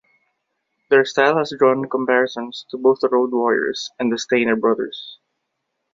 Their style has drawn comparisons to both the Road Warriors and the Steiner Brothers.